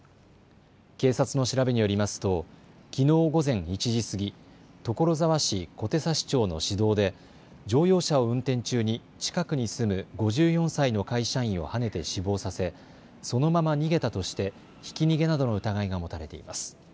警察の調べによりますときのう午前１時過ぎ所沢市小手指町の市道で乗用車を運転中に近くに住む５４歳の会社員をはねて死亡させそのまま逃げたとしてひき逃げなどの疑いが持たれています。